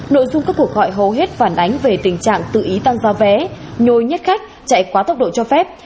nội dung các cuộc gọi hầu hết phản ánh về tình trạng tự ý tăng giao vé nhôi nhất khách chạy quá tốc độ cho phép